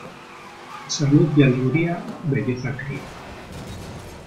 Salud y alegría, belleza cría.